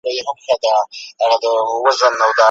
پیروي از استاد